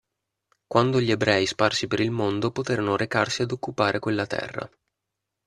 Quando gli ebrei sparsi per il mondo poterono recarsi ad occupare quella terra.